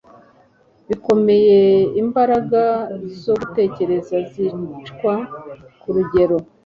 bikomeye Imbaraga zo gutekereza zicwa ku rugero